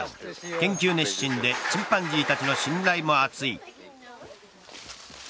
研究熱心でチンパンジーたちの信頼も厚い。